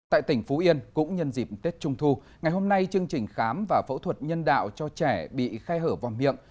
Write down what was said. tại tỉnh phú yên cũng nhân dịp tết trung thu ngày hôm nay chương trình khám và phẫu thuật nhân đạo cho trẻ bị khai hở vòng miệng